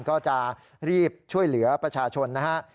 ก็จะรีบช่วยเหลือประชาชนนะฮะ